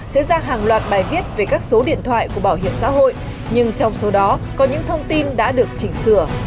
sẽ ra hàng loạt bài viết về các số điện thoại của bảo hiểm xã hội nhưng trong số đó có những thông tin đã được chỉnh sửa